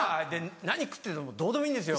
何食っててもどうでもいいんですよ